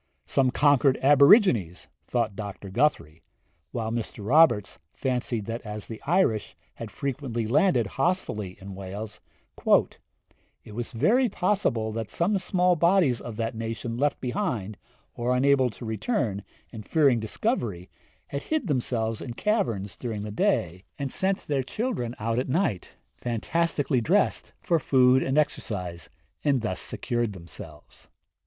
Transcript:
'Some conquered aborigines,' thought Dr. Guthrie; while Mr. Roberts fancied that as the Irish had frequently landed hostilely in Wales, 'it was very possible that some small bodies of that nation left behind, or unable to return, and fearing discovery, had hid themselves in caverns during the day, and sent their children out at night, fantastically dressed, for food and exercise, and thus secured themselves.'